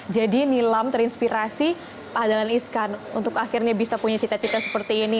jadi nilam terinspirasi pak andah hanis kan untuk akhirnya bisa punya cita cita seperti ini